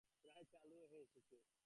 প্রায় চালু হয়ে এসেছে।